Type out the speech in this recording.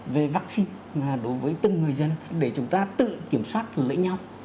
về vaccine đối với từng người dân để chúng ta tự kiểm soát lấy nhau